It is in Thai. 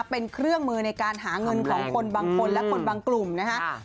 เป็นเครื่องมือในการหาเงินของคนบางคนและคนบางกลุ่มนะฮะ